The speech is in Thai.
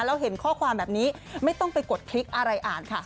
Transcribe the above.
แล้วเห็นข้อความแบบนี้ไม่ต้องไปกดคลิกอะไรอ่านค่ะ